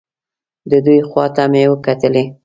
د دوی خوا ته مې وکتلې.